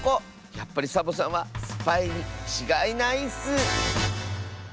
やっぱりサボさんはスパイにちがいないッス！